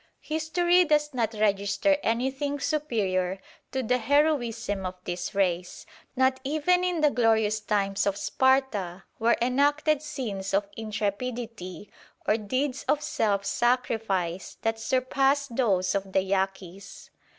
"History does not register anything superior to the heroism of this race. Not even in the glorious times of Sparta were enacted scenes of intrepidity or deeds of self sacrifice that surpass those of the Yaquis.